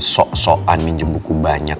sok sokan minjem buku banyak